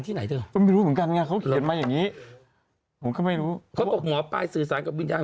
ที่หมอปลายพูดอะไรบ้าง